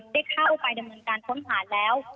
ได้เข้าไปในเมืองการท้นหาแล้ว